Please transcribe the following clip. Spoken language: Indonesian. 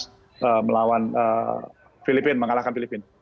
jadi kita bisa melawan filipina mengalahkan filipina